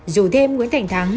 rủ thêm nguyễn thành thắng